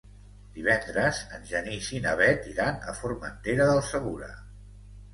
Divendres en Genís i na Bet iran a Formentera del Segura.